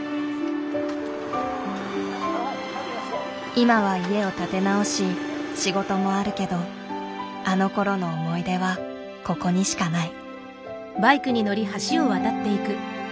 今は家を建て直し仕事もあるけどあのころの思い出はここにしかない。